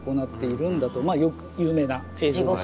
まあ有名な映像ですね。